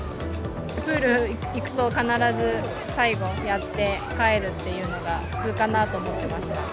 プール行くと、必ず最後やって帰るっていうのが、普通かなと思ってました。